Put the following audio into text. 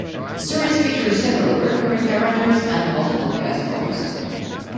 The series features several recurring characters and multiple guest stars.